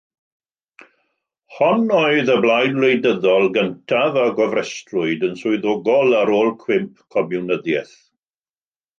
Hon oedd y blaid wleidyddol gyntaf a gofrestrwyd yn swyddogol ar ôl cwymp Comiwnyddiaeth.